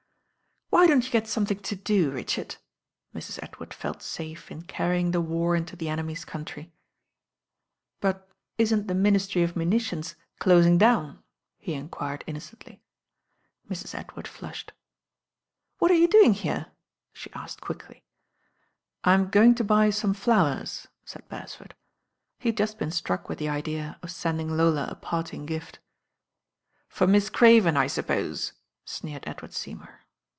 "Why don't you get tomething to do, Richard?" Mrs. Edward felt tafe in carrying the war into the ^nemyt country. "But itn't the Minittry of Munitiont doting <lown? he enquired innocently. Mrt. Edward Huthed. "JJ^ ?" y°" ^^^^«"?" »*»e "kcd quickly. I m gomg to buy tome Howert," taid Beretford. He had just been ttruck with the idea of tending I ola a parting gift. "For Mitt Craven, I suppose," sneered Edward Seymour.